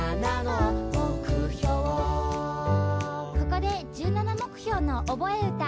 ここで「１７目標のおぼえうた」。